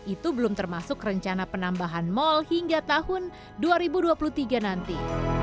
itu belum termasuk rencana penambahan mal hingga tahun dua ribu dua puluh tiga nanti